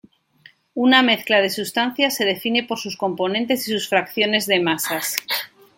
Una mezcla de sustancias se define por sus componentes y sus fracciones de masas.